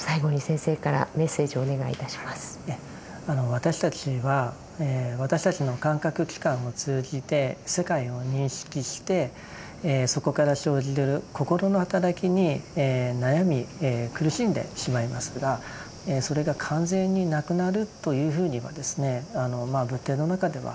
私たちは私たちの感覚器官を通じて世界を認識してそこから生じる心の働きに悩み苦しんでしまいますがそれが完全になくなるというふうには仏典の中では書かれていません。